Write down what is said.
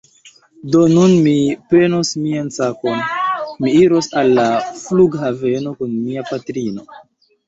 Do nun mi prenos mian sakon. Mi iros al la flughaveno kun mia patrino